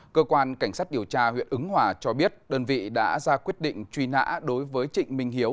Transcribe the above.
cơ quan cảnh sát điều tra huyện ứng hòa cho biết đơn vị đã ra quyết định truy nã đối với trịnh minh hiếu